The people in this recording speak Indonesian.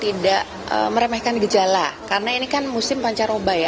tidak meremehkan gejala karena ini kan musim pancaroba ya